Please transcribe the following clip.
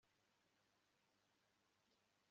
ndetse by'ibicucu kurusha ibindi